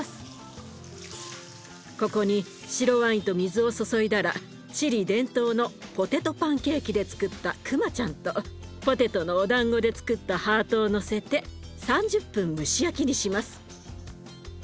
ここに白ワインと水を注いだらチリ伝統のポテトパンケーキでつくったくまちゃんとポテトのおだんごでつくったハートをのせて３０分蒸し焼きにします。